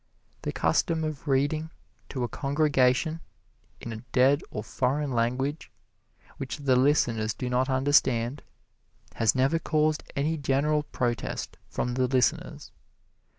The custom of reading to a congregation in a dead or foreign language, which the listeners do not understand, has never caused any general protest from the listeners.